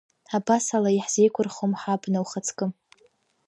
Абас ала иаҳзеиқәырхом ҳабна, ухаҵкы!